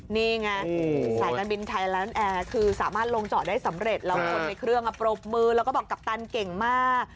นี่ไงสายการบินไทยแลนดแอร์คือสามารถลงเจาะได้สำเร็จแล้วคนในเครื่องปรบมือแล้วก็บอกกัปตันเก่งมาก